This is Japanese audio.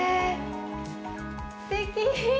すてきー！